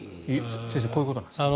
先生こういうことなんですね。